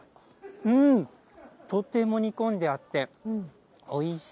とても煮込んであって、おいしい。